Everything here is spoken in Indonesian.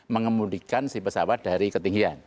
mengemudikan si pesawat dari ketinggian